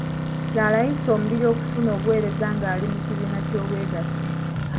Kya layisi omulimi okufuna obuweereza nga ali mu kibiina ky'obwegassi.